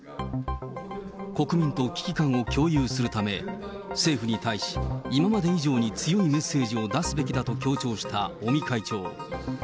国民と危機感を共有するため、政府に対し今まで以上に強いメッセージを出すべきだと強調した尾身会長。